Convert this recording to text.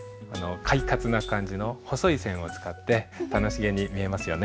快活な感じの細い線を使って楽しげに見えますよね。